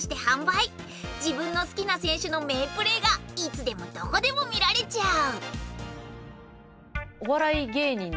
自分の好きな選手の名プレーがいつでもどこでも見られちゃう！